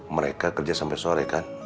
mereka kerja sampai sore kan